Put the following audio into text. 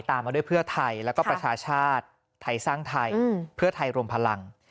มาด้วยเพื่อไทยแล้วก็ประชาชาติไทยสร้างไทยเพื่อไทยรวมพลัง